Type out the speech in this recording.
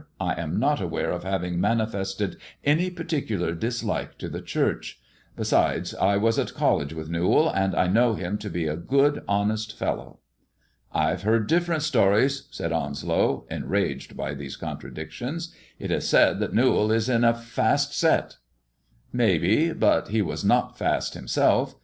I am not aware of having manifested any particular dislike to the Church. Besides, I was at college with Newall, and I know him to be a good, honest fellow." " IVe heard different stories," said Onslow, enraged hy these contradictions; it is said that Newall was in a fast set." " Maybe ; but he was not fast himself.